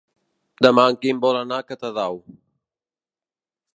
Demà en Quim vol anar a Catadau.